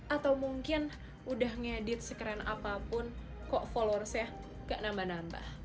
atau mungkin udah ngedit sekeren apapun kok followersnya gak nambah nambah